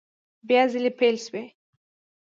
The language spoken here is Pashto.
بیا ځلي پیل شوې